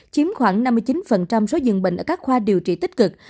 chiếm khoảng năm mươi chín số dường bệnh ở các khoa điều trị tích cực